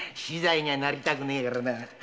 死罪にゃなりたくねえからな。